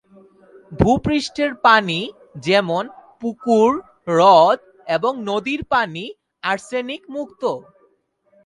ভূপৃষ্ঠের পানি যেমন পুকুর, হ্রদ এবং নদীর পানি আর্সেনিকমুক্ত।